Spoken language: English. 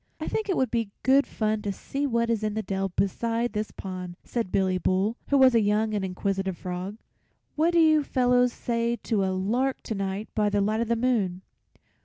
"I think it would be good fun to see what is in the dell beside this pond," said Billy Bull, who was a young and inquisitive frog. "What do you fellows say to a lark to night by the light of the moon?"